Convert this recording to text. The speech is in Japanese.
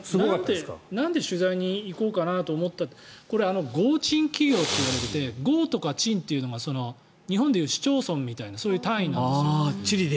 なんで取材に行こうかなと思ったかこれ、郷鎮企業といわれていて郷とか鎮というのが日本でいう市町村みたいなそんな単位なんです。